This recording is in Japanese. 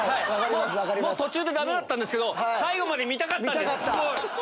途中でダメだったんですけど最後まで見たかったんです。